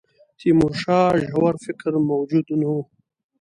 تیمورشاه ژور فکر موجود نه وو.